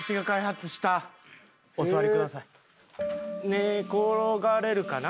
寝転がれるかな？